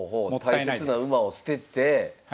大切な馬を捨てて。